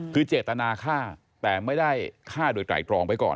คือเจตนาฆ่าแต่ไม่ได้ฆ่าโดยไตรตรองไว้ก่อน